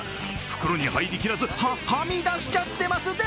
袋に入りきらず、は、は、はみ出しちゃっています。